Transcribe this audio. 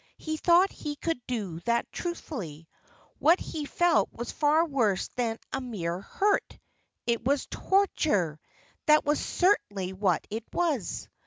He thought he could do that truthfully. What he felt was far worse than a mere hurt. It was torture that was certainly what it was.